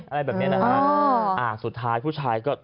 อะไรแบบเนี้ยนะฮะอ่าสุดท้ายผู้ชายก็